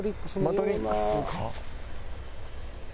『マトリックス』か？